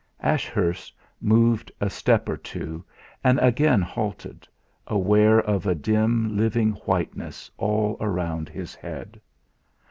Ashurst moved a step or two, and again halted, aware of a dim living whiteness all round his head.